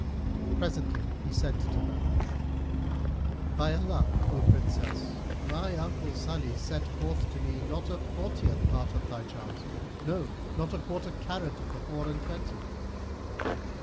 Presently he said to her, "By Allah, O Princess, my uncle Salih set forth to me not a fortieth part of thy charms; no, nor a quarter carat[FN#331] of the four and twenty."